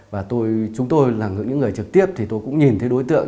và chúng tôi là những người trực tiếp thì tôi cũng nhìn thấy đối tượng